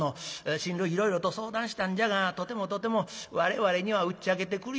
親類いろいろと相談したんじゃがとてもとても我々には打ち明けてくりょうまい。